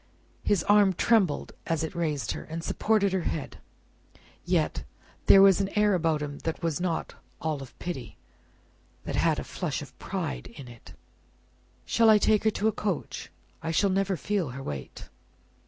His arm trembled as it raised her, and supported her head. Yet, there was an air about him that was not all of pity that had a flush of pride in it. "Shall I take her to a coach? I shall never feel her weight."